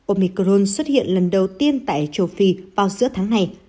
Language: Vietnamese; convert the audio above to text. omicron xuất hiện lần đầu tiên tại châu phi vào giữa tháng này